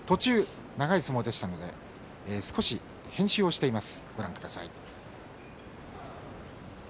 長い相撲でしたので途中、少し編集をしています。